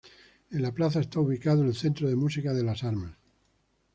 En la plaza está ubicado el Centro de Música de Las Armas.